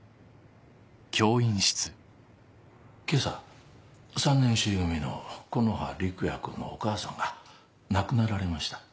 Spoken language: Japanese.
今朝３年Ｃ組の木の葉陸也君のお母さんが亡くなられました。